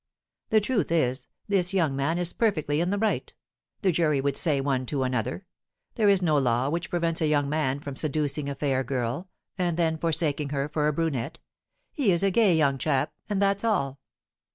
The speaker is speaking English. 'The truth is, this young man is perfectly in the right,' the jury would say one to another; 'there is no law which prevents a young man from seducing a fair girl, and then forsaking her for a brunette; he is a gay young chap, and that's all.'